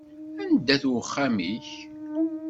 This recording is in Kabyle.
Anda-t uxxam-ik?